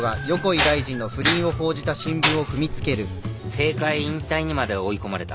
政界引退にまで追い込まれた。